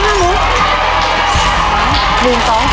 ยาลัด